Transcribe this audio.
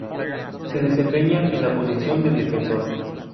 Se desempeña en la posición de defensor.